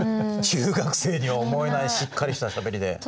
中学生には思えないしっかりしたしゃべりで。